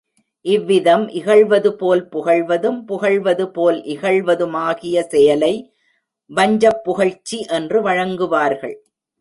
இவ்விதம் இகழ்வதுபோல் புகழ்வதும், புகழ்வதுபோல் இகழ்வதுமாகிய செயலை வஞ்சப்புகழ்ச்சி என்று வழங்குவார்கள்.